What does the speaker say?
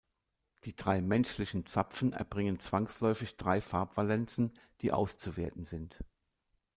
Die drei menschlichen Zapfen erbringen zwangsläufig drei Farbvalenzen, die auszuwerten sind.